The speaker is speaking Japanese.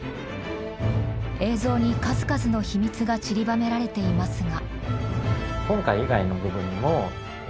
映像に数々の秘密がちりばめられていますが。